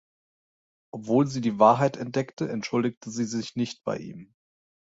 Obwohl sie die Wahrheit entdeckte, entschuldigte sie sich nicht bei ihm.